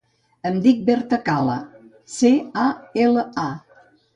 Em dic Berta Cala: ce, a, ela, a.